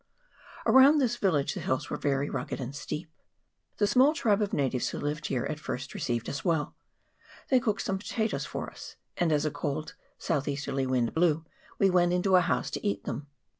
Around this village the hills were very rugged and steep. 2 B 2 372 ROUTE TO [PART n, The small tribe of natives who lived here at first received us well. They cooked some potatoes for us, and, as a cold south easterly wind blew, we went into a house to eat them.